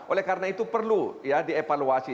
oleh karena itu perlu ya dievaluasi